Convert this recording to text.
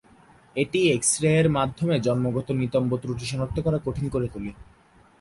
এটি এক্স-রে এর মাধ্যমে জন্মগত নিতম্ব ত্রুটি সনাক্ত করা কঠিন করে তোলে।